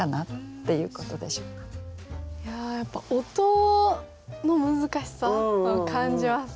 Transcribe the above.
いややっぱ音の難しさ感じます